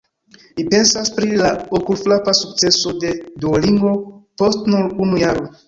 Mi pensas pri la okulfrapa sukceso de Duolingo post nur unu jaro.